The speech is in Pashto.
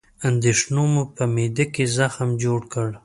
اندېښنو مې په معده کې زخم جوړ کړ